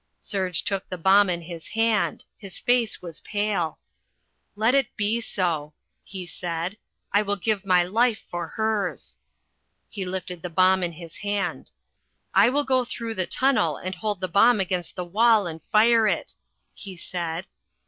Serge took the bomb in his hand. His face was pale. "Let it be so!" he said. "I will give my life for hers." He lifted the bomb in his hand. "I will go through the tunnel and hold the bomb against the wall and fire it," he said.